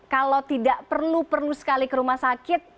kalau tidak perlu perlu sekali ke rumah sakit